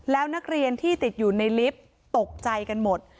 แล้วนักเรียนที่ติดอยู่ในลิฟต์ตกใจกันหมด